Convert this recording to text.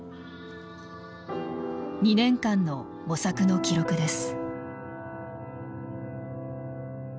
２年間の模索の記録です。